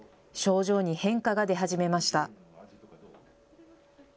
症状に変化が出始めました。